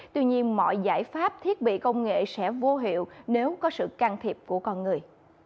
tuy nhiên mọi giải pháp thiết bị công nghệ sẽ vô hiệu nếu có sự can thiệp của con người